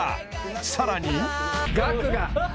さらに！